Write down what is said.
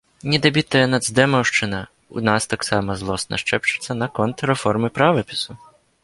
Недабітая нацдэмаўшчына ў нас таксама злосна шэпчацца наконт рэформы правапісу.